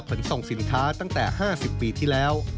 ขนส่งสินค้าตั้งแต่๕๐ปีที่แล้ว